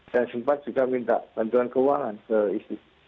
dan sempat juga minta bantuan keuangan ke isis